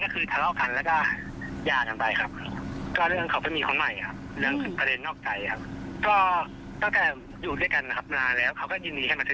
ปีนตรีปลอดภัย